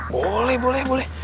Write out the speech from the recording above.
boleh boleh boleh